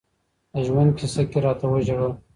د ژوند كيسه كي راتـه وژړل